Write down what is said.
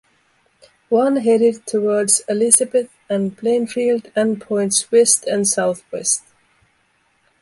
One headed towards Elizabeth and Plainfield and points west and southwest.